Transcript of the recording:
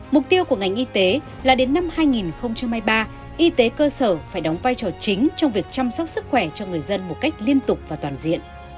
mục tiêu của ngành y tế là đến năm hai nghìn hai mươi ba y tế cơ sở phải đóng vai trò chính trong việc chăm sóc sức khỏe cho người dân một cách liên tục và toàn diện